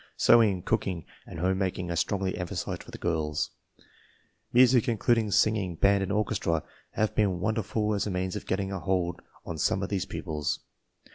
Sewing, cooking, and home \ making are strongly emphasized for the girls. Music, \ including singing, band, and orchestra, has been won j derful as a means of getting a hold on some of these pupils.